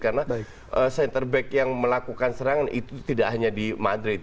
karena center back yang melakukan serangan itu tidak hanya di madrid